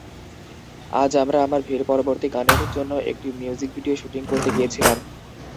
আজ আমরা আমার পরবর্তী গানের জন্য একটি মিউজিক ভিডিও শুটিং করতে গিয়েছিলাম।